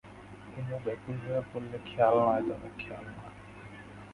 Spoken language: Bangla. কুমু ব্যাকুল হয়ে বললে, খেয়াল নয় দাদা, খেয়াল নয়।